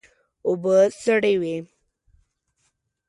اوبه سړې وې.